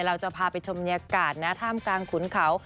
เราจะพาไปชมบรรยากาศนาธรรมกลางขุนเขา